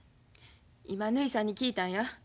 今ぬひさんに聞いたんや。